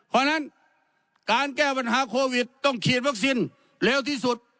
เพราะฉะนั้นการแก้ปัญหาโควิดต้องฉีดวัคซีนเร็วที่สุด